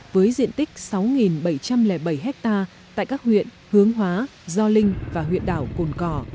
với diện tích sáu bảy trăm linh bảy hectare tại các huyện hướng hóa gio linh và huyện đảo cồn cỏ